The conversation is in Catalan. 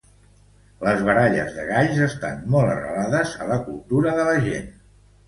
Les baralles de galls estan molt arrelades a la cultura de la gent.